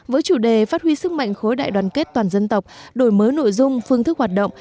với chủ đề phát huy sức mạnh khối đại đoàn kết toàn dân tộc đổi mới nội dung phương thức hoạt động